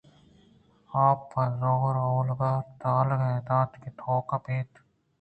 آئی ءَپہ زور اولگا تیلانک دات کہ توک ءَ بئیت اِنت